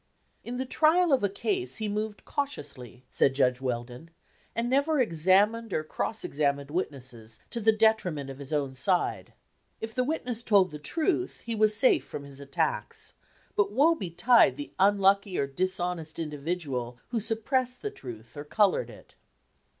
"In the trial of a case he moved cautiously," said Judge Weldon, "and never examined or cross examined witnesses to the detriment of his own side. If the witness told the truth, he was safe from his attacks ; but woe betide the unlucky or dishonest individual who suppressed the truth or colored it."